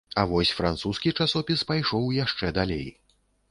А вось французскі часопіс пайшоў яшчэ далей.